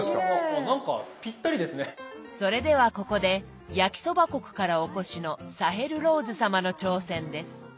あ何かぴったりですね。それではここで焼きそば国からお越しのサヘル・ローズ様の挑戦です。